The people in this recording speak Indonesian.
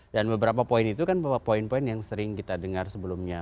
dan beberapa poin itu kan poin poin yang sering kita dengar sebelumnya